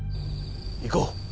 行こう。